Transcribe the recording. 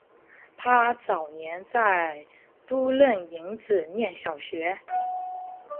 他早年在都楞营子念小学。